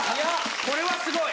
これはすごい！